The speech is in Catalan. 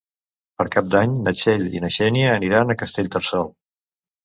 Per Cap d'Any na Txell i na Xènia aniran a Castellterçol.